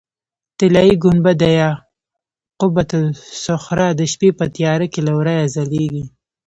طلایي ګنبده یا قبة الصخره د شپې په تیاره کې له ورایه ځلېږي.